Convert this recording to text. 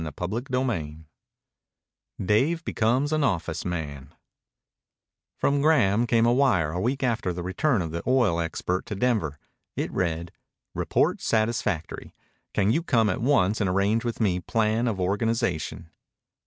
CHAPTER XXXII DAVE BECOMES AN OFFICE MAN From Graham came a wire a week after the return of the oil expert to Denver. It read: Report satisfactory. Can you come at once and arrange with me plan of organization?